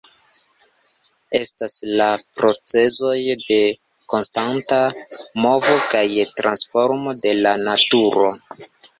Estas la procezoj de konstanta movo kaj transformo de la naturo.